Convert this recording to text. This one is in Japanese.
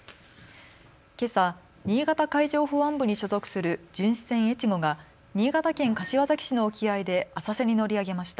けさ、新潟海上保安部に所属する巡視船えちごが新潟県柏崎市の沖合で浅瀬に乗り上げました。